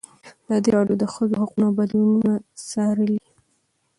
ازادي راډیو د د ښځو حقونه بدلونونه څارلي.